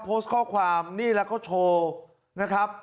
โพสต์ข้อความนี่แล้วก็โชว์นะครับ